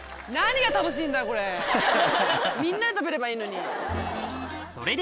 みんなで食べればいいのに。